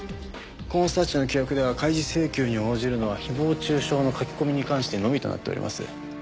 コーンスターチの規約では開示請求に応じるのは誹謗中傷の書き込みに関してのみとなっております。